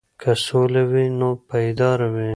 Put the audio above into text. که سوله وي نو پایدار وي.